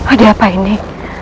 ada apa ini